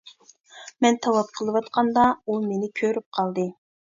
مەن تاۋاپ قىلىۋاتقاندا ئۇ مېنى كۆرۈپ قالدى.